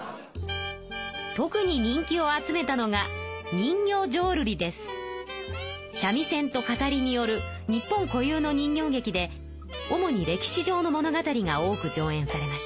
特に人気を集めたのが三味線と語りによる日本固有の人形劇で主に歴史上の物語が多く上演されました。